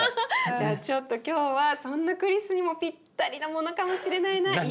じゃあちょっと今日はそんなクリスにもピッタリなものかもしれないな。